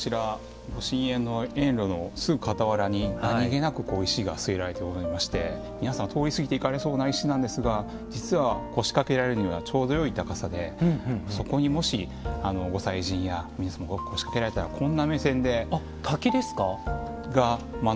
こちらご神苑のすぐ傍らに何気なく石が据えられておりまして皆さん通り過ぎていきそうな石なんですが実は、腰掛けられるようなちょうどいい高さでそこにもし御祭神や皆様が腰掛けられたらこんな目線で。